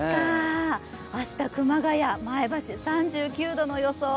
明日、熊谷、前橋、３９度の予想。